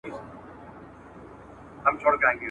چي هر څه درسره پېښ سي